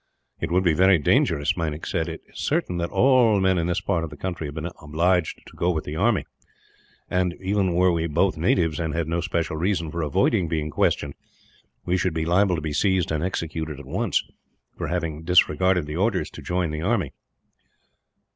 "It would be very dangerous," Meinik said. "It is certain that all the men in this part of the country have been obliged to go with the army and, even were we both natives, and had no special reason for avoiding being questioned, we should be liable to be seized and executed at once, for having disregarded the orders to join the army.